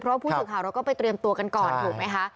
เพราะผู้สื่อข่าวเราก็ไปเตรียมตัวกันก่อนถูกไหมคะ